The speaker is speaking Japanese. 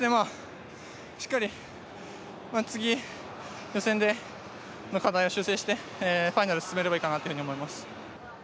しっかり、次、予選での課題を修正してファイナルに進めればいいかなと思います。